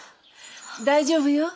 大丈夫よ。